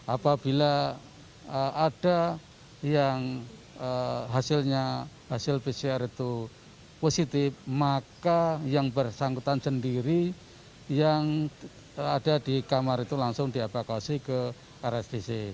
apabila ada yang hasilnya hasil pcr itu positif maka yang bersangkutan sendiri yang ada di kamar itu langsung dievakuasi ke rsdc